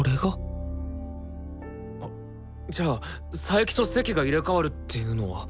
あじゃあ佐伯と席が入れ代わるっていうのは？